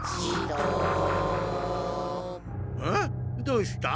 どうした？